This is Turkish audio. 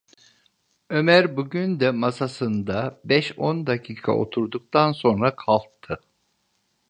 Ömer bugün de masasında beş on dakika oturduktan sonra kalktı.